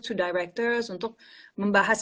to directors untuk membahas